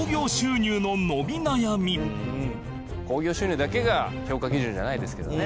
興行収入だけが評価基準じゃないですけどね